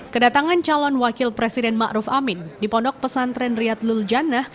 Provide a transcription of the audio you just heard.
kedatangan calon wakil presiden ma'ruf amin di pondok pesantren riyad luljannah